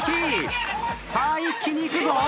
さあ一気にいくぞ。